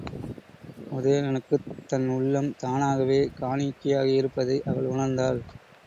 உதயணனுக்குத் தன் உள்ளம் தானாகவே காணிக்கையாகியிருப்பதை அவள் உணர்ந்தாள்.